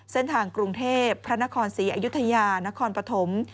เส้นทางกรุงเทพพระนครศรีอยุธยานครปฐม